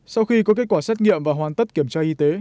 sau khi có kết quả xét nghiệm và hoàn tất kiểm tra y tế